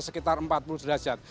sekitar empat puluh derajat